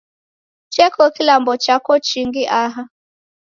Cheko kilambo chako chingi aha?